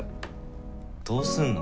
どうすんの？